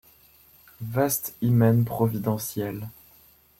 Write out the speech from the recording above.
Vaste hymen providentiel !